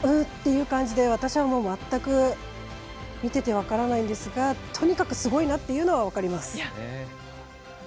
って感じで私は全く分からないんですがとにかくすごいなというのは分かります。